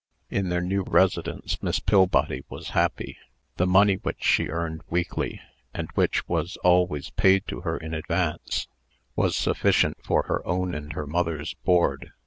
In their new residence, Miss Pillbody was happy. The money which she earned weekly, and which was always paid to her in advance, was sufficient for her own and her mother's board.